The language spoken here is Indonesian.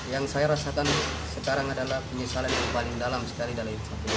yang saya rasakan sekarang adalah penyesalan yang paling dalam sekali dalam